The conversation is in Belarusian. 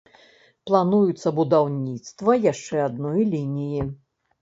Плануецца будаўніцтва яшчэ адной лініі.